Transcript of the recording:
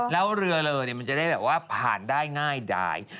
แล้วเรือมันจะได้แบบว่าผ่านได้ง่ายดาย